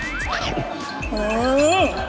อืม